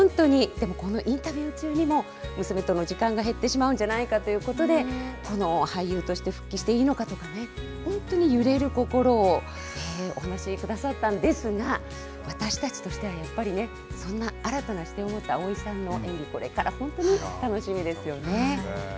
でも、このインタビュー中にも娘との時間が減ってしまうんじゃないかということで、この俳優として復帰していいのかとかね、本当に揺れる心をお話しくださったんですが、私たちとしたらやっぱりね、そんな新たな視点を持った蒼井さんの演技、これから本当に楽しみですよね。